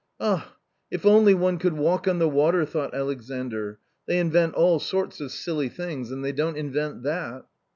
" Ah ! if only one could walk on the water !" thought Alexandr ;" they invent all sorts of silly things, and they don't invent that